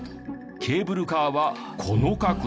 ケーブルカーはこの角度。